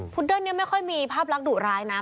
พุดเดิ้นเนี่ยไม่ค่อยมีภาพรักดุร้ายนะ